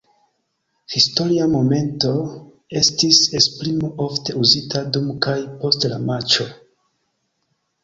"Historia momento" estis esprimo ofte uzita dum kaj post la matĉo.